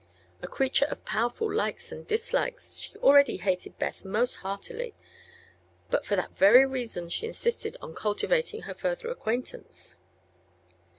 A creature of powerful likes and dislikes, she already hated Beth most heartily; but for that very reason she insisted on cultivating her further acquaintance.